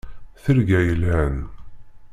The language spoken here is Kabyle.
Tirga yelhan.